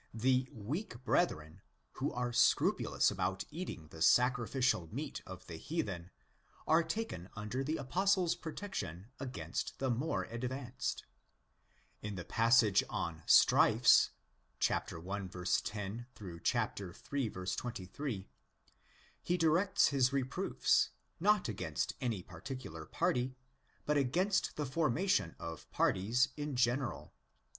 The ' weak brethren " who are scrupulous about eating the sacri ficial meat of the heathen are taken under the Apostle's protection against the more advanced. In the passage on ''strifes '' (1. 10 111. 28) he directs his reproofs, not against any particular party, but against the forma tion of parties in general.